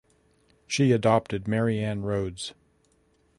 She adopted Mary Ann Rhodes.